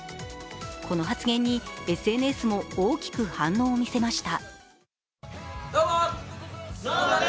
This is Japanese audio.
この発言にＳＮＳも大きく反応を見せました。